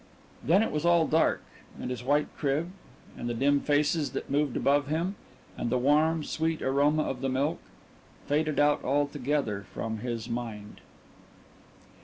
Then it was all dark, and his white crib and the dim faces that moved above him, and the warm sweet aroma of the milk, faded out altogether from his mind.